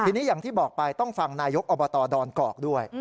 ทีนี้อย่างที่บอกไปต้องฟังนายกอบตดอนกอกด้วย